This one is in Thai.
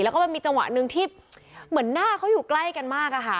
แล้วก็มันมีจังหวะหนึ่งที่เหมือนหน้าเขาอยู่ใกล้กันมากอะค่ะ